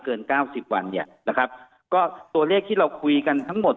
เก้าสิบวันเนี่ยนะครับก็ตัวเลขที่เราคุยกันทั้งหมด